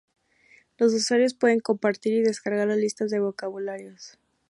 Los usuarios pueden compartir y descargar las listas de vocabularios.